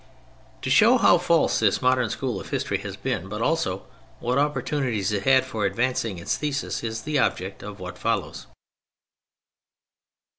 To show how false this modern school of history has been, but also what opportunities it had for advancing its thesis, is the object of what follows.